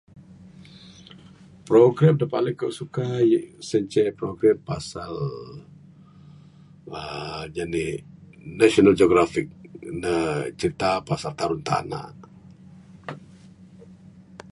Program de kuk paling suka sien ce program pasal...wahh..jinik, National Geographic, ne crita pasal terun tanak.